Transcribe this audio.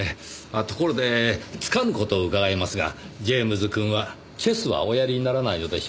ところでつかぬ事を伺いますがジェームズくんはチェスはおやりにならないのでしょうか？